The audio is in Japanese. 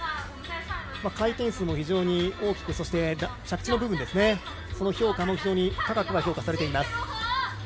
回転数も非常に大きくそして着地の部分の評価も高く評価されています。